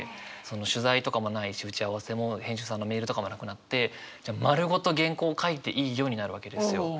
取材とかもないし打ち合わせも編集さんのメールとかもなくなってじゃあ丸ごと原稿書いていいよになるわけですよ。